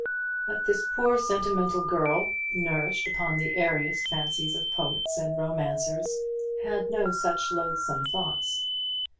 But this poor sentimental girl, nourished upon the airiest fancies of poets and romancers, had no such loathsome thoughts.